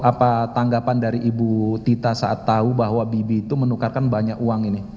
apa tanggapan dari ibu tita saat tahu bahwa bibi itu menukarkan banyak uang ini